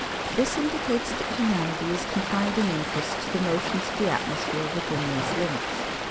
This indicates that humanity is confined in interest to the motions of the atmosphere within these limits.